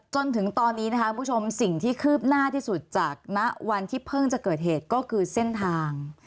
จนถึงตอนนี้นะคะคุณผู้ชมสิ่งที่คืบหน้าที่สุดจากณวันที่เพิ่งจะเกิดเหตุก็คือเส้นทาง